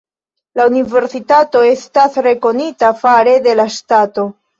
La universitato estas rekonita fare de la ŝtato.